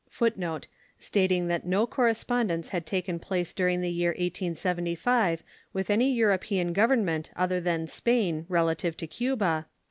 [Footnote 99: Stating that no correspondence had taken place during the year 1875 with any European Government other than Spain relative to Cuba.